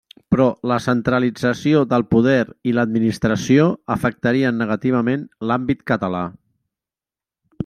Però la centralització del poder i l'administració afectarien negativament l'àmbit català.